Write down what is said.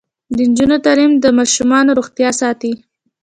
د نجونو تعلیم د ماشومانو روغتیا ساتي.